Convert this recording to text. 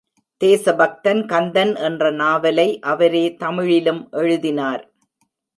தேசபக்தன் கந்தன் என்ற நாவலை அவரே தமிழிலும் எழுதினார்.